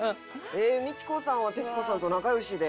ミチコさんは徹子さんと仲良しで？